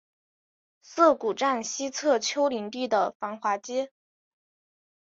涩谷站西侧丘陵地的繁华街。